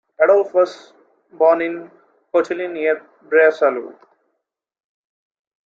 Adolf was born in Kotulin, near Bresalu.